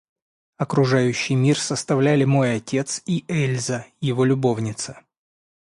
Окружающий мир составляли мой отец и Эльза, его любовница.